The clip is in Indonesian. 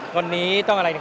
kabeh perawatan tiga anak